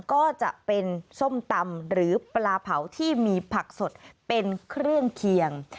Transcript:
ก็จะเป็นส้มตำหรือปลาเผาที่มีผักสดเป็นเครื่องเคียง